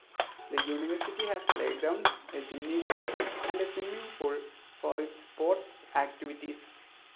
The University has playgrounds, a gymnasium and a swimming pool for its sports activities.